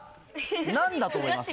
何だと思います？